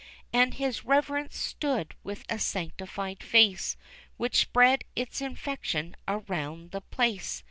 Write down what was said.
And his Rev'rence stood with a sanctified face, Which spread its infection around the place.